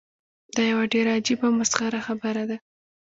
دا یوه ډیره عجیبه او مسخره خبره ده.